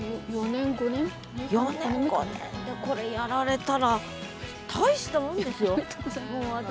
４年５年でこれやられたら大したもんですよ！